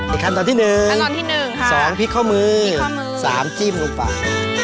อีกคำตอนที่หนึ่งค่ะสองพริกข้อมือสามจิ้มลงฝั่ง